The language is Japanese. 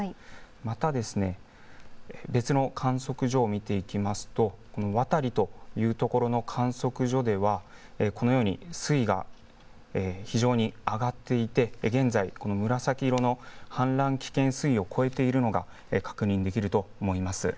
また別の観測所を見ていきますとこの渡というところの観測所ではこのように水位が、非常に上がっていて現在、紫色の氾濫危険水位を超えているのが確認できると思います。